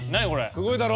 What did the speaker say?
すごいだろ！